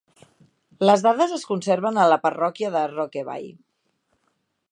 Les dades es conserven a la parròquia de Rokeby.